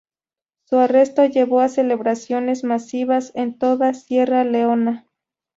Su arresto llevó a celebraciones masivas en toda Sierra Leona.